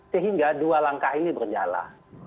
sehingga dua langkah ini berjalan